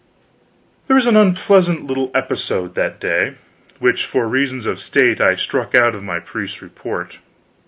There was an unpleasant little episode that day, which for reasons of state I struck out of my priest's report.